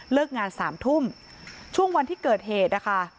งานสามทุ่มช่วงวันที่เกิดเหตุนะคะ